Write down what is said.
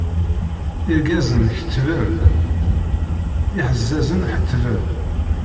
Irgazen kettben, iḥezzazen ḥettben.